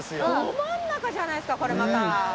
ど真ん中じゃないですかこれまた。